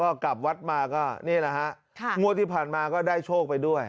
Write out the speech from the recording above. ก็กลับวัดมาก็นี่แหละฮะงวดที่ผ่านมาก็ได้โชคไปด้วย